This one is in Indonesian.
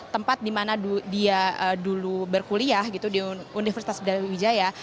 tempat di mana dia dulu berkuliah di universitas bidari wijaya